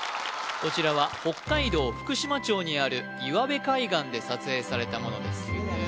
こちらは北海道福島町にある岩部海岸で撮影されたものです